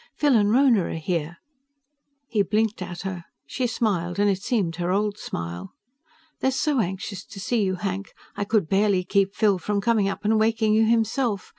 "Phil and Rhona are here." He blinked at her. She smiled, and it seemed her old smile. "They're so anxious to see you, Hank. I could barely keep Phil from coming up and waking you himself.